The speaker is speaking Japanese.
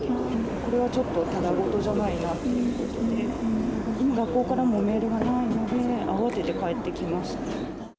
これはちょっとただごとじゃないなっていうことで、学校からもメールがないので、慌てて帰ってきました。